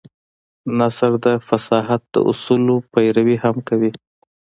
نثر د فصاحت د اصولو پيروي هم کوي.